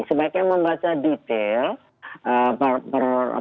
sebaiknya membaca di dalam kursus